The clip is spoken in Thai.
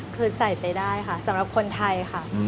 คือใส่ไปได้ค่ะสำหรับคนไทยค่ะ